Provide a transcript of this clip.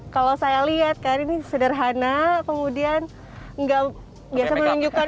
kalau saya lihat kan ini sederhana kemudian nggak biasa menunjukkan